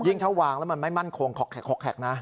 ยิ่งเท่าหวังแล้วมันไม่มั่นคงคอกแข็กนะ